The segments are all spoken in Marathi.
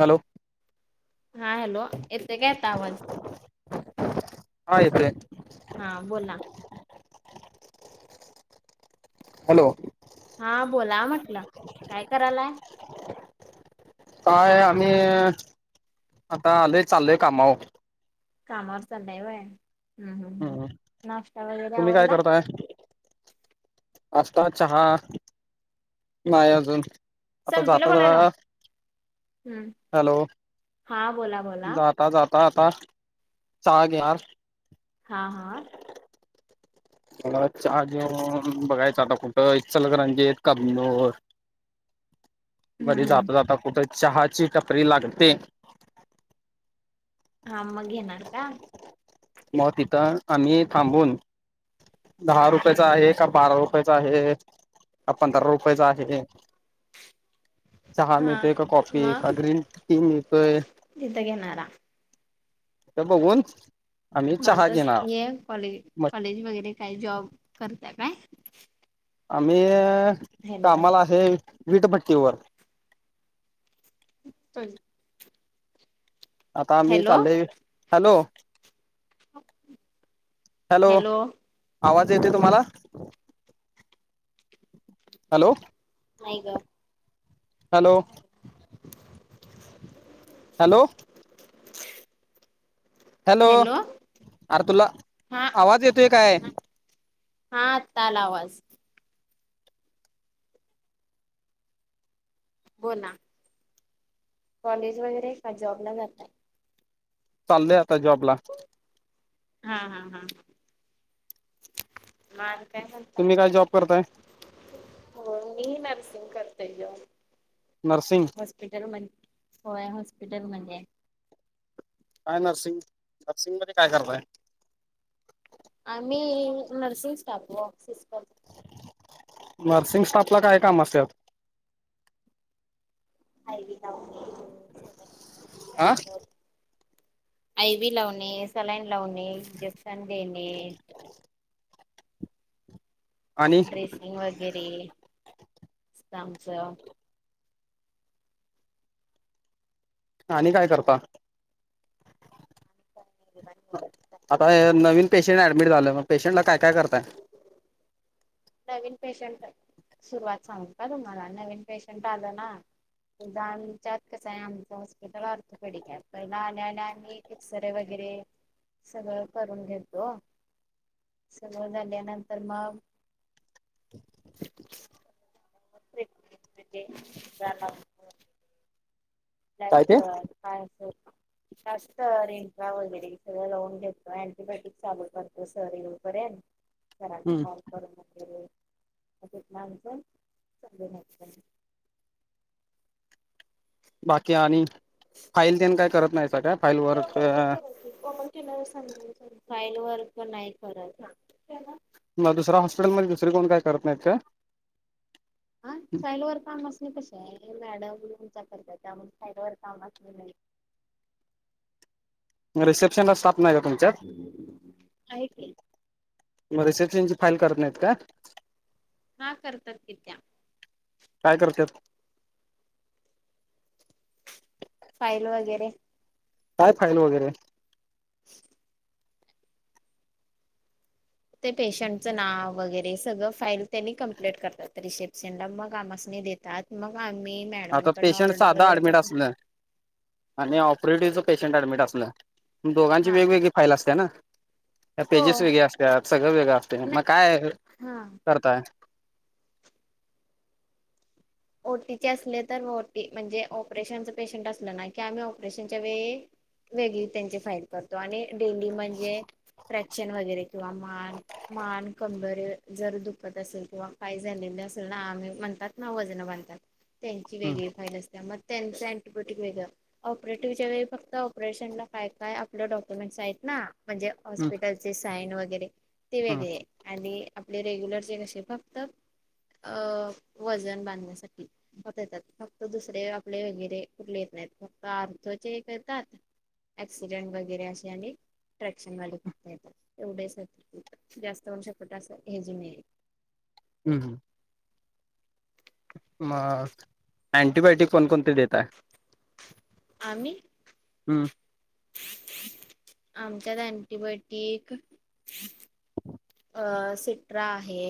हॅलो. हा हॅलो येतोय काय आता आवाज. हा येतोय. हा बोला. हॅलो. हा बोला म्हटलं, काय करालाय. काय आम्ही आता आलोय, चालोय कामाला. कामावर चालाय व्हयं, हम हम हम्म नाश्ता वगैरे तुम्ही काय आवरला. नाश्ता चहा. नाही अजून, आता संपीला जाता बोलायला लाव जरा हम्म हॅलो. हा बोला. बोला जाता जाता आता चाहा घ्या. हा हा. मला चहा घेऊन बघायचं आता, कुठं इचलकरंजीत कबनूर. हम्म बरी हम्म जाता जाता कुठे चहाची टपरी लागते. हा मग घेणार कां. मग पिता आम्ही थांबून. दहा रुपयाचा आहे का, बारा रुपयाचा आहे का पंधरा रुपयाचा आहे. [inaudible] चहा हा मिळतोय का कॉफी मग काय ग्रीन टी मिळतोय. तिथं घेणारा ते बघून. आम्ही चहा [unintelligible] घेणार हे कॉले मग कॉलेज वगैरे काय जॉब करताय काय. आम्ही हॅलो कामाला आहे वीटभट्टीवर. [inaudible] आता आम्ही हॅलो चालोय हॅलो. हॅलो आवाज येतोय तुम्हाला. हॅलो नाही गं. Hello [unintelligible] hello. [unintelligible] हॅलो अरे तुला हा आवाज येतोय काय? हा आत्ता आला आवाज. हो ना. कॉलेज वगैरे का जॉबला जाताय? चाललोय आता जॉबला हा हा हा, हा. म आज काय झालं? तुम्ही काय जॉब करताय? हो मी नर्सिंग करते जॉब. नर्सिंग. हॉस्पिटल होय म्हणजे होय हॉस्पिटल मध्ये. काय नर्सिंग? नर्सिंग मध्ये काय करताय? आम्ही नर्सिंग स्टाफ ओ, सिस्टर. नर्सिंग स्टाफला काय काम असत्यात? [unintelligible] आं? आयवी लावणे सलाईन लावणे इंजेक्शन देणे. [inaudible] आणि ड्रेसिंग वगैरे, स्नॅपच. आणि काय करता? [inaudible] आता हे नवीन पेशंट ऍडमिट झालं, मग पेशंटला काय काय करताय? नवीन पेशंट सुरुवात सांगू का तुम्हाला नवीन पेशंट आलं ना. आमच्यात कस आहे आमचं हॉस्पिटल अर्थ पेडीक पहिला आल्या आल्या आम्ही सरे वगैरे सगळं करून घेतो. सगळ झाल्या नंतर मग. [unintelligible] काय जास्त ते पायाच. जास्त रेनफ्लावर बिडी सगळं लावून घेतो अँटीबायोटिक चालू करत ओ सॉरी बरे आहात. सराला हम्म कॉल करून वगैरे आमचं समज. बाकी आणि फाईल त्यान काय करत नाही स काय फाईल वरक? ओके का पण फाईलवर पण नाही करत हा. मग दुसरा हॉस्पिटलमध्ये दुसरी कोण काय करत नाहीत काय? हा साईड वरच्या मशीनी काम असणे कसे आहे, मॅडममचा करत त्यामुळे साईड वर काम नाही. मग रिसेप्शनला स्टाफ नाही का तुमच्या? आहे की. मग रिसेप्शनची फाईल करत नाहीत काय? हा करतात की त्या काय करत्यात? फाईल वगैरे. काय फाईल वगैरे? [inaudible] ते पेशंटचं नाव वगैरे सगळं फाईल त्यांनी कम्प्लीट करतात रिसेप्शनला मग आमस मी देत तात मग आम्ही आता मॅडमांकडनं पेशंट ऑर्डर साधा वगैरे ऍडमिट टाकू. असलं आणि ऑपरेटिव्हच पेशंट ॲडमिट असलं दोघांची हा वेगवेगळी फाईल असते ना? हो पेजेस वेगळे असतात, सगळं वेगळं असते मग नाही काय हा. करताय? ओटीचे असले तर ओटी, म्हणजे ऑपरेशनच पेशंट असलं ना की आम्ही ऑपरेशनच्या वेळी. वेगळी त्यांचे फाईद करतो आणि डेली म्हणजे ट्रॅक्शन वगैरे किंवा मान. मान कंबर जर दुखत असेल किंवा काही झालेले असेल ना आम्ही म्हणतात ना वज बांधतात त्यांची हम्म वेगळी फाईल असते मग त्यांच अँटिबायोटिक वेगळं. ऑपरेटिव्हच्या वेळी फक्त ऑपरेशनला काय काय आपलं डॉक्युमेंट्स आहेत ना. म्हणजे हम्म हॉस्पिटलचे साईन वगैरे ते हम्म वेगळे आहे. आणि आपले रेग्युलर जे कसे फक्त अ वजन बांधण्यासाठी. होत येतात फक्त दुसरे आपले वगैरे कुठले येत नाहीत फक्त ऑर्थो एक येतात. ॲक्सिडेंट वगैरे असे आणि. ट्रॅक्शन वाले फक्त येतात एवढेच जास्त वष पट अस हेजी नाही. हम्म हम्म. मग अँटीबायोटिक कोणकोणते देताय? आम्ही? हम्म. आमच्यात अंटीबायोटिक अ सिट्रा आहे.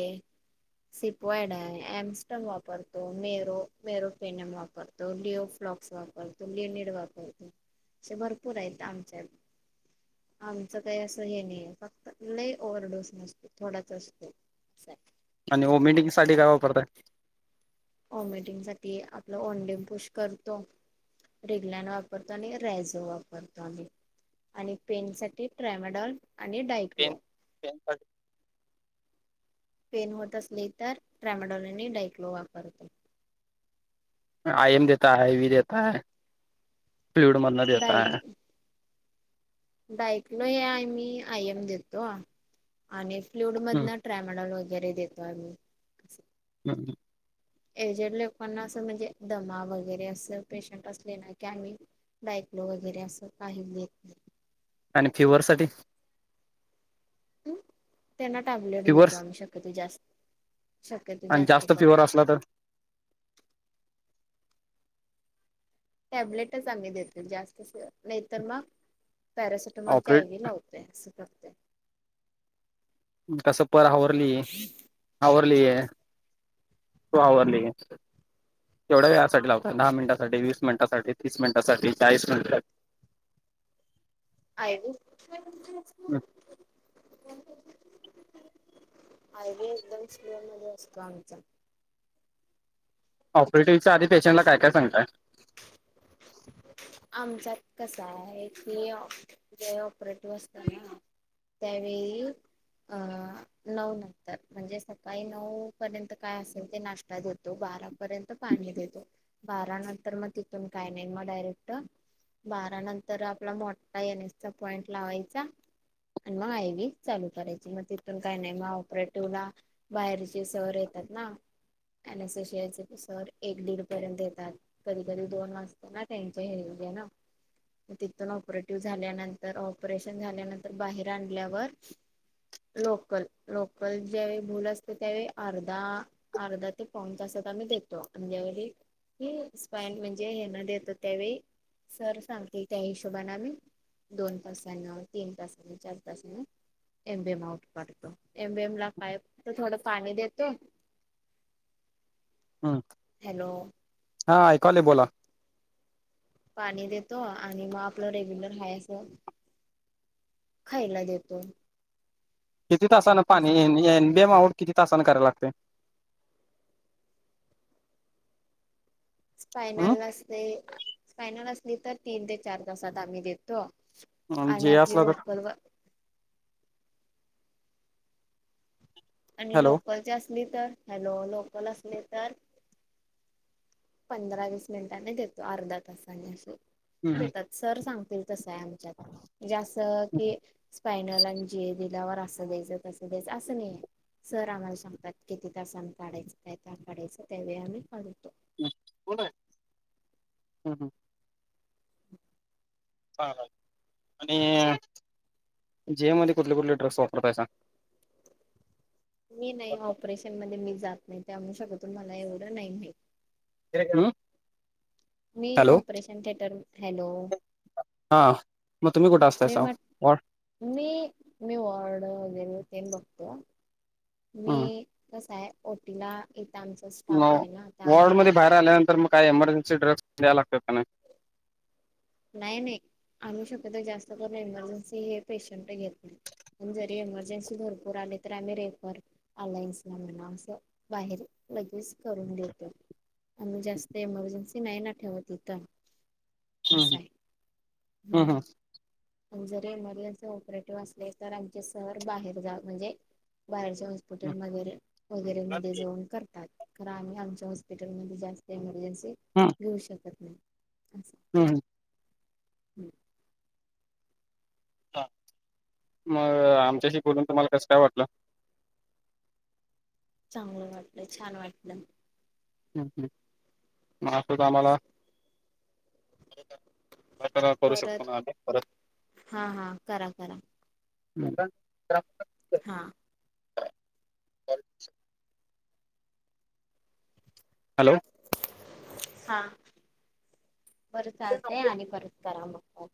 सिपयड आहे एम्स्टडम वापरतो मेरो मेरो पेनम वापर डीओ फ्लॉक्स वापरतो लिनेड वापरतो असे भरपूर आहेत आमच्यात. आमचं काही असं हे नाही फक्त ल ओव्हरडोस नस थोडाच असतो असं हाय आणि ओमीटिंगसाठी काय वापरतय? व्हॉमिटिंग साठी आपलं ओंडेिंपूश करतो. रिग्लन वापरतो आणि रॅझो वापरतो आम्ही आणि पेन साठी ट्रामडॉल आणि पेन डायक्लो. पेन साठी पेन होत असली तर ट्रॅमडॉल नी डायक्लो वापरतो. आय एम देताय आय वी देताय, फ्लूड मधन देताय. डायकनो आम्ही आयन देतो आणि फ्लूड हम्म मधनं. ट्रायमडल वगैरे देतो आम्ही अस [unintelligible] एजेड लोकांना असं म्हणजे दमा वगैरे असं पेशंट असले ना की आम्ही. डायट लो वगैरे असं काहीच देत नाही. आणि फिवर साठी? नाही त्यांना टॅबलेट देतो फिवर्स आम्ही शक्यतो जास. आनं जास्त फिवर असला तर. टॅबलेटच आम्ही देतो जास्त नाहीतर मग पॅरासिटॅमॉल ची ऑपरेट आयडी लावत तोय असं करतोय. कसं पर हावरली आवरली आहे टू आवरली आहे केवढ्या वेळासाठी लावतात दहा मिनिटासाठी वीस मिनिटासाठी तीस मिनिटासाठी चाळीस मिनिट [unintelligible] आय व्ही असतो आमचा. ऑपरेटिव्हच्या आधीपेशंटला काय काय सांगताय आमचात कस आहे की जे ऑपरेटिव्ह असत ना. त्यावेळी. अ नऊ नंतर म्हणजे सकाळी नऊ पर्यंत काय असेल ते नाश्ता देत टो बारापर्यंत पाणी देतो बारा नंतर मग तिथून काय नाही मग डायरेक्ट. बारा नंतर आपला मोठा एन एस चा पॉईंट लावायचा. आणि मग आय वी चालू करायची मग तिथून काय नाही मग ऑपरेटिव्हला. बाहेरचे सर येतात ना एन एस एशयाचे सर एक दीड र्यंत येतात कधी कधी दोन वाजते ना त्यांच हेे ना. तिथून ऑपरेटिव्ह झाल्यानंतर ऑपरेशन झाल्यानंतर बाहेर आणल्यावर. लोकल लोकल ज्यावे भूल असते त्यावे अर्धा अर्धा ते पाऊण तासात आम्ही देतो जारी. हे स्पाइन म्हणजे येना देतो त्यावेळी सर सांगते त्या हिशोबाने आम्ही. दोन तासानं तीन तासानं चार तासानं. एमबएम आऊट करतो एमीएम ला पायप तर थोडं पाणी देतो. ह हॅलो हा ऐकू यालय बोला. पाणी देतो आणि मग आपलं रेग्युलर हाय अस. खायला देतो. किती तासाने असं पाणी बेम आवट किती तासाना करायला लागते? हम् स्पायनल असले स्पायनल असली तर तीन ते चार तासात आम्ही देतो. आणि जे आपली असला तर लोकल व आणि हॅलो लोकलची असली तर हॅलो लोकल असले तर. पंधरा वीस मिनिटांनी देतो अर्धा तासानी असे देतात. सर सांगतील तसं आहे आमच्यात. जे अस की स्पायनल आणि जीए दिल्यावर असं द्यायचं तसं द्यायचं असं नाही आहे. सर आम्हाला सांगतात किती तासांनं काढायचं काय का काढायचं त्यावे आम्ही काढतो. हम्म, कोण आहे, हम्म हम्म. हा हा आणि जीए मध्ये कुठले कुठले ड्रग्स वापरतायसा? मी नाही ऑपरेशन मध्ये मी जात नाही ते म्हू शकत मला एवढं नाही माहि हम्म? मी ऑपरेशन थिएटर हॅलो हां मग तुम्ही कुठं मी असतायसा? म्हट मी मी वार्ड वगैरे तेन बघत्या मी. कसं आहे ओटीला येतं आमच्या. म वॉर्ड मध्ये बाहेर आल्यानंतर मग काही एमर्जन्सी ड्रग्स द्या लागतात का नाही. नाही नाही आम्ही शकतो जास्त करून एमर्जन्सी हे पेशंट घेत पण जरी एमर्जन्सी भरपूर आले तर आम्ही रेफर. अलायन्सला म्हणा असं बाहेर लगेच करून देतो. आम्ही जास्त एमर्जन्सी नाही ना ठेवत इथं. अस हम्म आहे हं. हम्म आणि जरी एमर्जन्सी ऑपरेटिव्ह असले तर आमचे सर बाहेर जा म्हणजे बाहेरच्या हॉस पुटीन वगैरे मध्ये जाऊन करतात. खर आम्ही आमच्या हॉस्पिटलमध्ये जास्त एमर्जन्सी. हा. घेऊ शकत नाही, असं हम. हम्म. हा मग आमच्याशी बोलून तुम्हाला कसं काय वाटलं. चांगल वाटलं, छान वाटलं. हम हम मग असंच आम्हाला. [unintelligible] हा करू शकतो परत ना आपण परत. हा हा करा करा हं. हा. हॅलो. हा बरं चालतंय आणि परत करा मग कॉल.